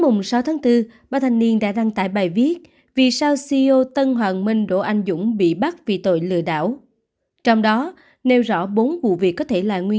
các bạn hãy đăng ký kênh để ủng hộ kênh của chúng mình nhé